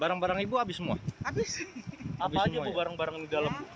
barang barang ibu habis semua habis apa aja bu barang barang di dalam